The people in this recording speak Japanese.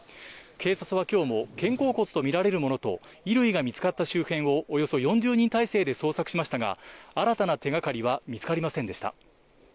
警察はきょうも、肩甲骨と見られるものと、衣類が見つかった周辺をおよそ４０人態勢で捜索しましたが、新たな手がかりは見つかりませんでした。